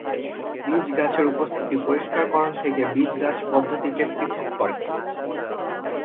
বীজ গাছের উপস্থিতি পরিষ্কারকরণ থেকে বীজ-গাছ পদ্ধতিকে পৃথক করে।